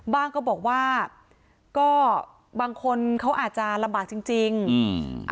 ก็บอกว่าก็บางคนเขาอาจจะลำบากจริงจริงอืม